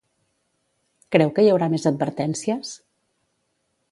Creu que hi haurà més advertències?